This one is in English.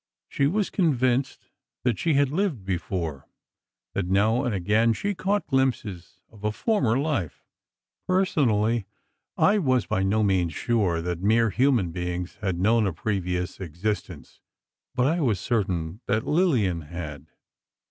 She was convinced that she had lived before—that now and again, she caught glimpses of a former life. Personally, I was by no means sure that mere human beings had known a previous existence, but I was certain that Lillian had.